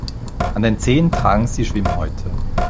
An den Zehen tragen sie Schwimmhäute.